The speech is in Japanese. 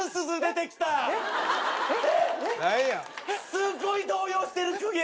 すごい動揺してる公家！